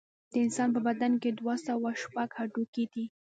د انسان په بدن کې دوه سوه شپږ هډوکي دي